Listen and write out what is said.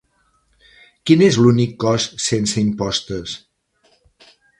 Quin és l'únic cos sense impostes?